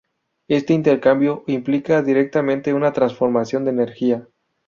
Este intercambio implica directamente una transformación de energía.